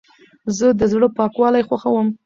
زه د زړه پاکوالی خوښوم.